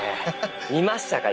見ましたか、今。